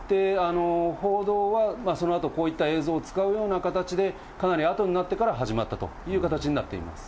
報道はそのあとこういった映像を使うような形で、かなりあとになってから始まったという形になっています。